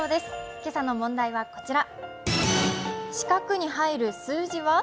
今朝の問題はこちら。